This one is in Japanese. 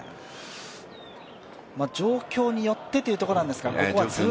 状況によってというところなんですが。